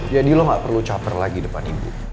jadi lo gak perlu caper lagi depan ibu